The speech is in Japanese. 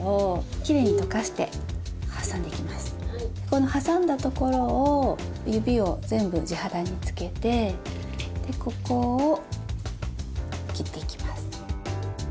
この挟んだところを指を全部地肌につけてここを切っていきます。